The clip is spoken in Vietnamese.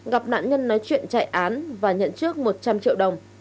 gặp nạn nhân nói chuyện chạy án và nhận trước một trăm linh triệu đồng